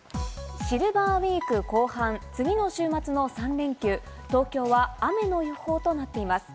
シルバーウイーク後半、次の週末の３連休、東京は雨の予報となっています。